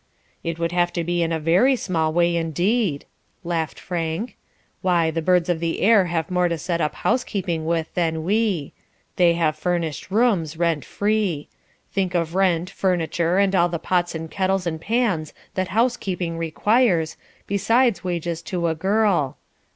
"It would have to be in a very small way indeed," laughed Frank. "Why, the birds of the air have more to set up housekeeping with than we; they have furnished rooms, rent free. Think of rent, furniture, and all the pots and kettles and pans that housekeeping requires, besides wages to a girl.